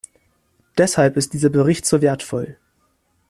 Deshalb ist dieser Bericht so wertvoll.